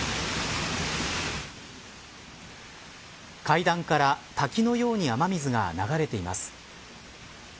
階段から滝のように雨水が流れています。